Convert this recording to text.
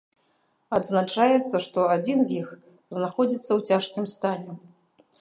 Адзначаецца, што адзін з іх знаходзіцца ў цяжкім стане.